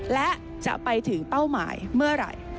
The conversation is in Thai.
และจะไปถึงเป้าหมายเมื่อไหร่